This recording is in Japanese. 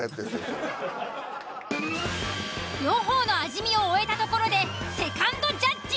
両方の味見を終えたところでセカンドジャッジ。